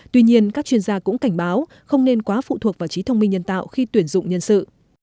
tuy nhiên các chuyên gia cũng cảnh báo không nên quá phụ thuộc vào trí thông minh nhân tạo khi tuyển dụng nhân sự